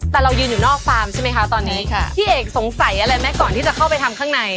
แต่เรายืนอยู่นอกฟาร์มใช่ไหมคะตอนนี้ค่ะพี่เอกสงสัยอะไรไหมก่อนที่จะเข้าไปทำข้างใน